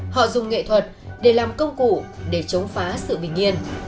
họ dùng nghệ thuật để làm công cụ để chống phá sự bình yên